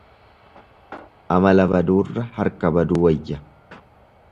Amala baduurra harka baduu wayya.